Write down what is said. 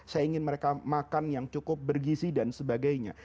saya ingin mereka makan yang cukup bergizi dan sebagainya